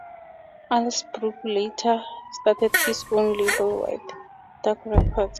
Alsbrooks later started his own label White Dawg Records.